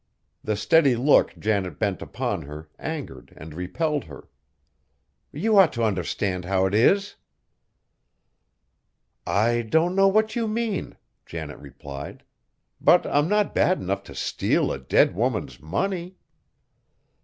The steady look Janet bent upon her angered and repelled her. "You ought t' understand how 't is." "I don't know what you mean," Janet replied, "but I'm not bad enough to steal a dead woman's money."